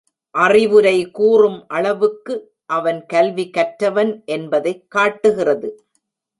அறிவுரை கூறும் அளவுக்கு அவன் கல்வி கற்றவன் என்பதைக் காட்டுகிறது.